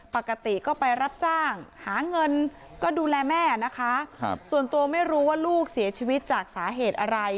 ปกติก็ไปรับจ้างหาเงินก็ดูแลแม่นะคะส่วนตัวไม่รู้ว่าลูกเสียชีวิตจากสาเหตุอะไร